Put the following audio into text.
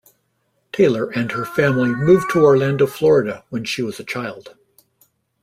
Taylor and her family moved to Orlando, Florida when she was a child.